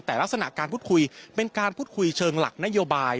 แต่ลักษณะการพูดคุยเป็นการพูดคุยเชิงหลักนโยบาย